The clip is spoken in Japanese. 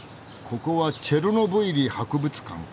ここはチェルノブイリ博物館か。